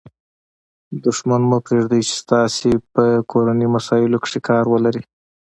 دوښمن مه پرېږدئ، چي ستاسي په کورنۍ مسائلو کښي کار ولري.